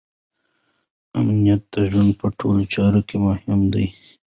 امنیت د ژوند په ټولو چارو کې مهم دی.